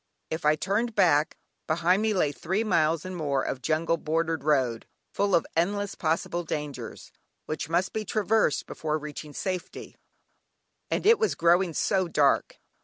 If I turned back, behind me lay three miles and more of jungle bordered road, full of endless possible dangers, which must be traversed before reaching safety, and it was growing so dark.